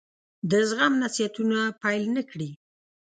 د زغم نصيحتونه پیل نه کړي.